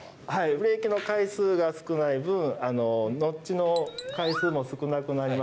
ブレーキの回数が少ない分ノッチの回数も少なくなりますので。